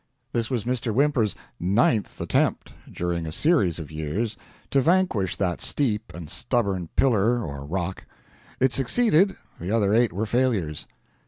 This was Mr. Whymper's NINTH attempt during a series of years, to vanquish that steep and stubborn pillar or rock; it succeeded, the other eight were failures.